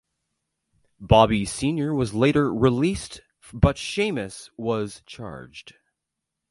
Bobby senior was later released but Seamus was charged.